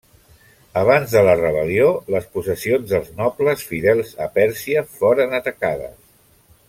Abans de la rebel·lió les possessions dels nobles fidels a Pèrsia foren atacades.